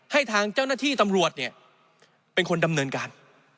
ให้ทางเจ้าหน้าที่ตำรวจเนี่ยเป็นคนดำเนินการ